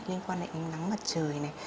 liên quan đến nắng mặt trời này